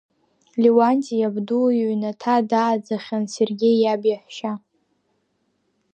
Леуанти иабду иҩнаҭа дааӡахьан Сергеи иаб иаҳәшьа.